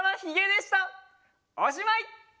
おしまい」！